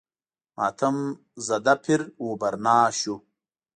ماتم زده پیر و برنا شو.